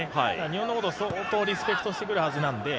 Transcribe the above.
日本のことを相当リスペクトしてくるはずなんで